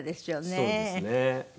そうですね。